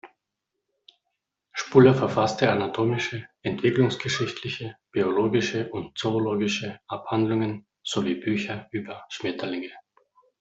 Spuler verfasste anatomische, entwicklungsgeschichtliche, biologische und zoologische Abhandlungen sowie Bücher über Schmetterlinge.